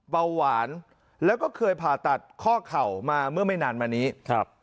เบาหวานแล้วก็เคยผ่าตัดข้อเข่ามาเมื่อไม่นานมานี้ครับ